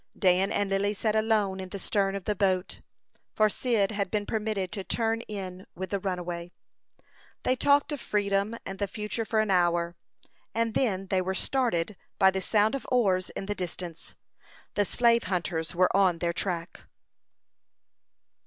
Dan and Lily sat alone in the stern of the boat, for Cyd had been permitted to turn in with the runaway. They talked of freedom and the future for an hour, and then they were started by the sound of oars in the distance. The slave hunters were on their track.